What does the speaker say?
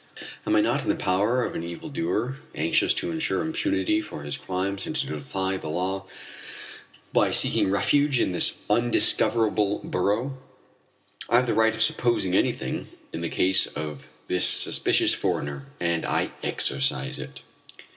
Am I not in the power of an evildoer anxious to ensure impunity for his crimes and to defy the law by seeking refuge in this undiscoverable burrow? I have the right of supposing anything in the case of this suspicious foreigner, and I exercise it.